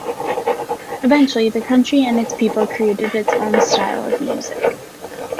Eventually the country and its people created its own style of music.